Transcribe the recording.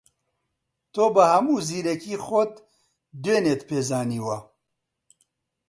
تۆ بە هەموو زیرەکیی خۆت دوێنێت پێ زانیوە